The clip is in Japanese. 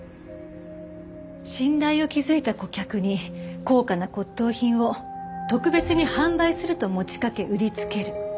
信頼を築いた顧客に高価な骨董品を特別に販売すると持ちかけ売りつける。